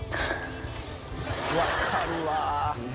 分かるわ。